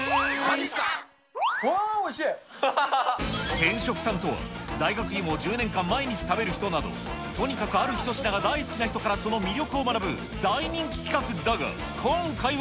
偏食さんとは、大学芋を１０年間毎日食べる人など、とにかくある一品が大好きな人からその魅力を学ぶ、大人気企画だが、今回は。